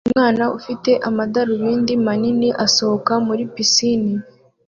Umwana ufite amadarubindi manini asohoka muri pisine